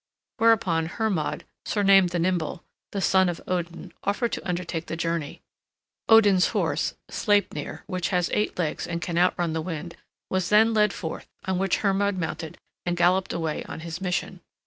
Whereupon Hermod, surnamed the Nimble, the son of Odin, offered to undertake the journey. Odin's horse, Sleipnir, which has eight legs and can outrun the wind, was then led forth, on which Hermod mounted and galloped away on his mission.